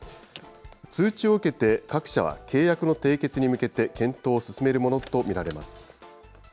通知を受けて、各社は契約の締結に向けて、検討を進めるものと見られます。